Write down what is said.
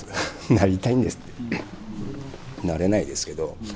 なりたいんですってなれないですけど。